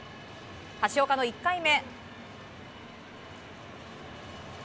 橋岡の１回目。